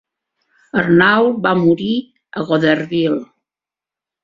Arnault va morir a Goderville.